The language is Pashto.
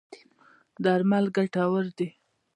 درمل ګټور دی.